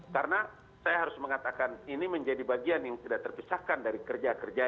karena saya harus mengatakan ini menjadi bagian yang tidak terpisahkan dari kerja kerja